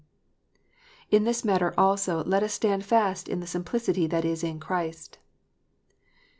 In this matter also let us stand fast in the "simplicity that is in Christ."